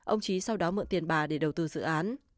ông trí sau đó mượn tiền bà để đầu tư dự án